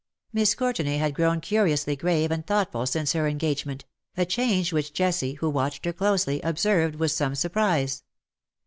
Miss Conrtenay had grown curiously grave and thoughtful since her engagement — a change w^hicli Jessie^ who w atched her closely^ observed with some surprise.